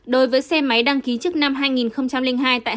đối với xe máy đăng ký trước năm hai nghìn hai tại hà nội